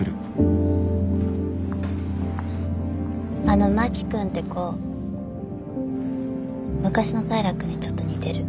あの真木君って子昔の平君にちょっと似てる。